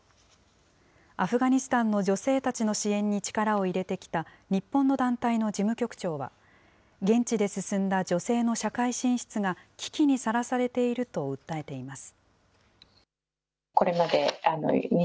アフガニスタンの女性たちの支援に力を入れてきた日本の団体の事務局長は、現地で進んだ女性の社会進出が、危機にさらされていると訴えています。